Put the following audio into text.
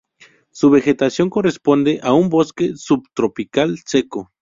Su vegetación corresponde a un bosque subtropical seco.